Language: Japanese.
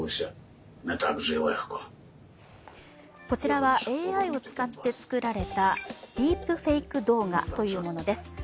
こちらはＡＩを使って作られたディープフェイク動画というものです。